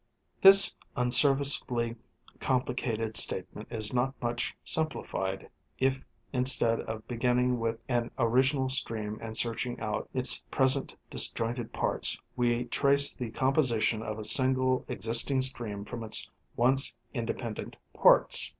This unserviceably complicated statement is not much simplified if instead of beginning with an original stream and searching out its present disjointed parts, we ti ace the composition of a single 252 National Geograjphic Magazine. existing stream from its once independent parts.